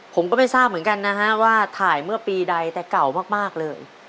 ผมก็ไม่ทราบเหมือนกันนะฮะว่าถ่ายเมื่อปีใดแต่เก่ามากเลย